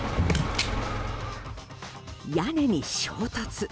屋根に衝突。